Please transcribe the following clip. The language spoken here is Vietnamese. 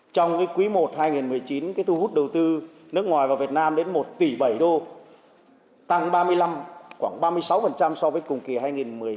trong quý i hai nghìn một mươi chín thu hút đầu tư nước ngoài vào việt nam đến một tỷ bảy đô tăng ba mươi năm khoảng ba mươi sáu so với cùng kỳ hai nghìn một mươi tám